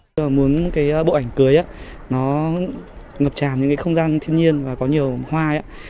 mình muốn bộ ảnh cưới ngập tràn những không gian thiên nhiên và có nhiều hoa